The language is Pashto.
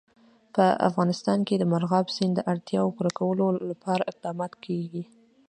په افغانستان کې د مورغاب سیند د اړتیاوو پوره کولو لپاره اقدامات کېږي.